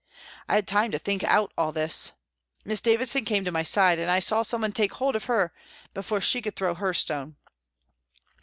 I had time to think out all this. Miss Davison came to my side, and I saw someone take hold of her before she could throw her stone.